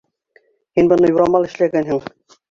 Һин быны юрамал эшләгәнһең!